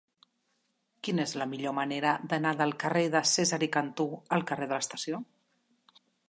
Quina és la millor manera d'anar del carrer de Cesare Cantù al carrer de l'Estació?